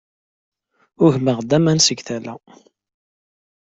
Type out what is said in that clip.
Ugmeɣ-d aman seg tala.